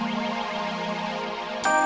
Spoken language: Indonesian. mungkin ganska tahan